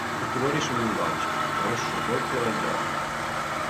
I colori sono vivaci, rosso, porpora e giallo.